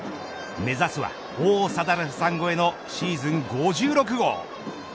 目指すは王貞治さん越えのシーズン５６号。